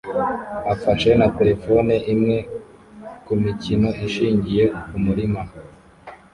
afashe na terefone imwe kumikino ishingiye kumurima